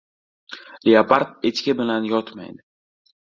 • Leopard echki bilan yotmaydi.